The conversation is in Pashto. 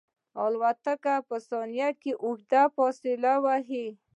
الوتکه په ثانیو کې اوږده فاصله وهي.